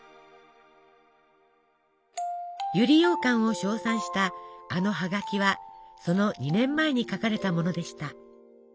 百合ようかんを称賛したあのハガキはその２年前に書かれたものでした。